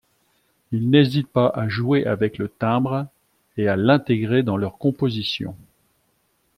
Ils n'hésitent pas à jouer avec le timbre et à l'intégrer dans leur composition.